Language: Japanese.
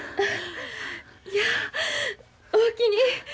いやおおきに。